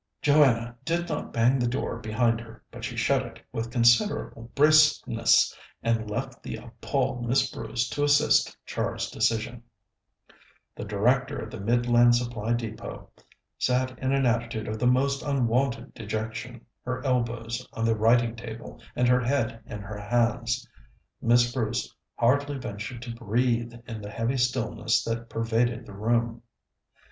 Joanna did not bang the door behind her, but she shut it with considerable briskness, and left the appalled Miss Bruce to assist Char's decision. The Director of the Midland Supply Depôt sat in an attitude of the most unwonted dejection, her elbows on the writing table and her head in her hands. Miss Bruce hardly ventured to breathe in the heavy stillness that pervaded the room.